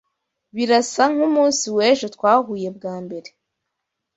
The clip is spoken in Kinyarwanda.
Birasa nkumunsi wejo twahuye bwa mbere.